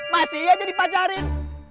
masih aja dipacarin